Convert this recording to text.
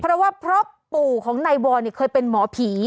เพราะว่าเพราะปู่ของนายวรเคยเป็นหมอผี